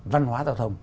văn hóa tàu thông